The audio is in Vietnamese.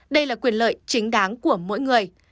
đây là quyền lợi chính đáng của mỗi người